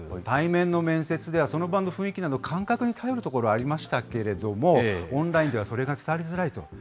対面の面接では、その場の雰囲気など、感覚に頼るところありましたけれども、オンラインではそれが伝わりづらいと。